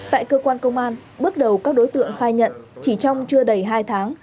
tại cơ quan công an bước đầu các đối tượng khai nhận chỉ trong chưa đầy hai tháng